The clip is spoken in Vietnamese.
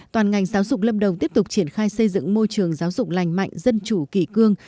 toàn ngành giáo dục lâm đồng tiếp tục triển khai xây dựng môi trường giáo dục lành mạnh dân chủ kỷ cương